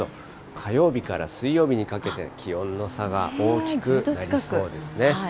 火曜日から水曜日にかけて気温の差が大きくなりそうですね。